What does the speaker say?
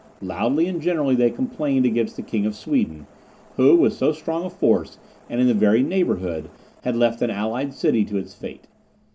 Loudly and generally they complained against the king of Sweden, who, with so strong a force, and in the very neighbourhood, had left an allied city to its fate.